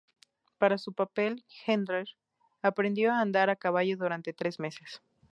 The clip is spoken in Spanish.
Para su papel, Hendler aprendió a andar a caballo durante tres meses.